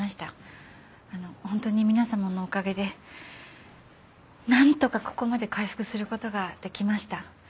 あのほんとに皆様のおかげで何とかここまで回復することができました。